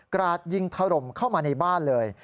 ราดยิงถล่มเข้ามาในบ้านเลย